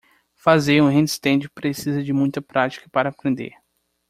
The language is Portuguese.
Fazer um handstand precisa de muita prática para aprender.